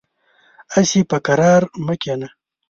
هسې په قرار مه کېنه .